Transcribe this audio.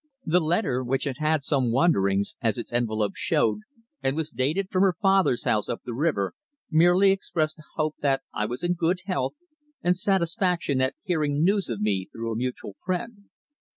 The letter, which had had some wanderings, as its envelope showed, and was dated from her father's house up the river, merely expressed a hope that I was in good health, and satisfaction at hearing news of me through a mutual friend.